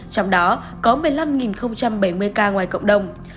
trong đó có một mươi năm bảy mươi ca ngoài cộng đồng